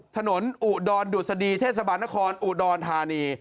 อุดรดุษฎีเทศบาลนครอุดรธานี